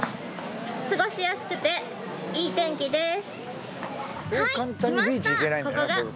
過ごしやすくていい天気です